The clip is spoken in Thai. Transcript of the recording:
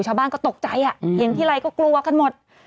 ชาวบ้านก็ตกใจเห็นทีไรก็กลัวกันหมด